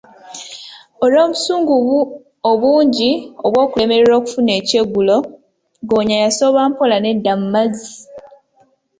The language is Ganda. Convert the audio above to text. Olw'obusungu obungi obw'okulemererwa okufuna ekyeggulo, ggoonya yasooba mpola nedda mu mazzi.